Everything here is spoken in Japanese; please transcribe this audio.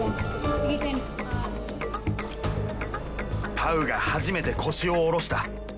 パウが初めて腰を下ろした。